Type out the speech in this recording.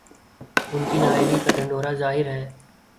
ان کی نااہلی کا ڈھنڈورا ظاہر ہے۔